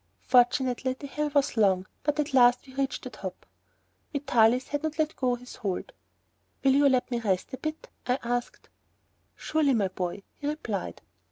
Fortunately the hill was long, but at last we reached the top. Vitalis had not let go his hold. "Will you let me rest a bit?" I asked. "Surely, my boy," he replied.